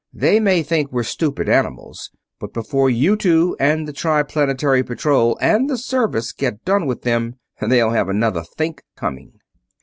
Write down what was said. They may think we're stupid animals, but before you two and the Triplanetary Patrol and the Service get done with them they'll have another think coming."